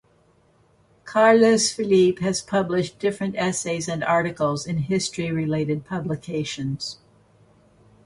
Carlos Felipe has published different essays and articles in history related publications.